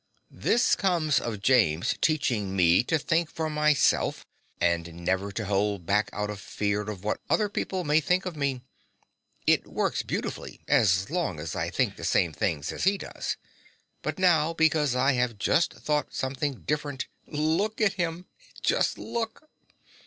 This comes of James teaching me to think for myself, and never to hold back out of fear of what other people may think of me. It works beautifully as long as I think the same things as he does. But now, because I have just thought something different! look at him just look!